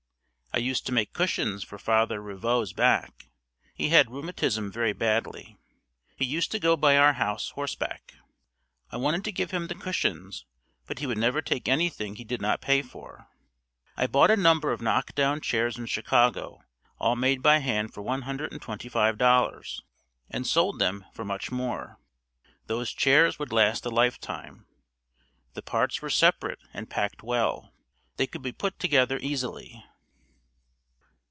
I used to make cushions for Father Revoux's back. He had rheumatism very badly. He used to go by our house horseback. I wanted to give him the cushions but he would never take anything he did not pay for. I bought a number of knockdown chairs in Chicago all made by hand for $125 and sold them for much more. Those chairs would last a lifetime. The parts were separate and packed well. They could be put together easily.